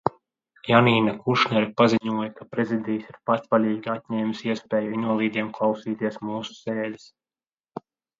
Janīna Kušnere paziņoja, ka Prezidijs ir patvaļīgi atņēmis iespēju invalīdiem klausīties mūsu sēdes.